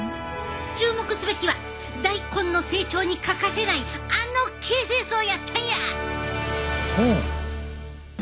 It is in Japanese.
注目すべきは大根の成長に欠かせないあの形成層やったんや！